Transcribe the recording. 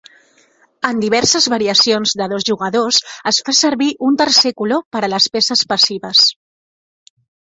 En diverses variacions de dos jugadors es fa servir un tercer color per a les peces passives.